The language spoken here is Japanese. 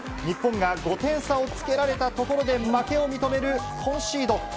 日本が５点差をつけられたところで負けを認めるコンシード。